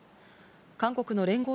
韓国の聯合